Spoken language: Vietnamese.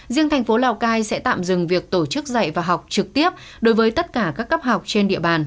riêng thành phố lào cai sẽ tạm dừng việc tổ chức dạy và học trực tiếp đối với tất cả các cấp học trên địa bàn